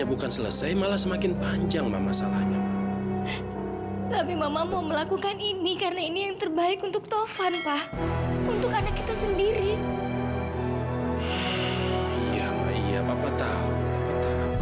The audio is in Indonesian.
bukannya papa mau ikut campur